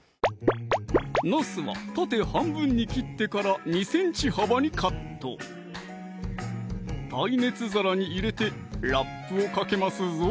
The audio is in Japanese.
なすは縦半分に切ってから２ｃｍ幅にカット耐熱皿に入れてラップをかけますぞ